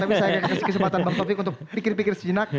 tapi saya akan kasih kesempatan bang taufik untuk pikir pikir sejenak